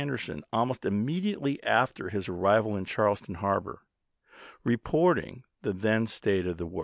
8" ctereon almost immediately after his arrival in "ismT' Charleston harbor, reporting the then state of the W.